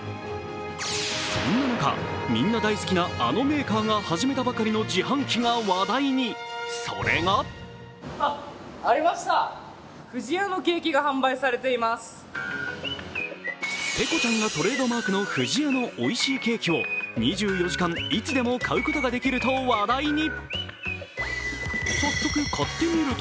そんな中、みんな大好きなあのメーカーが始めたばかりの自販機が話題に、それがペコちゃんがトレードマークの不二家のおいしいケーキを２４時間いつでも買うことができると話題に。